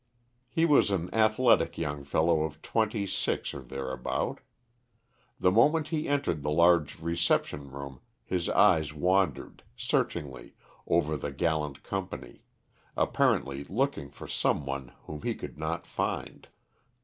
He was an athletic young fellow of twenty six, or thereabout. The moment he entered the large reception room his eyes wandered, searchingly, over the gallant company, apparently looking for some one whom he could not find.